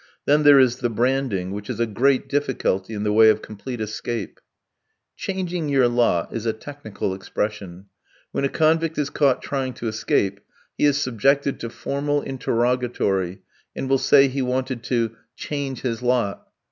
Then there is the branding, which is a great difficulty in the way of complete escape. Changing your lot is a technical expression. When a convict is caught trying to escape, he is subjected to formal interrogatory, and will say he wanted to change his lot.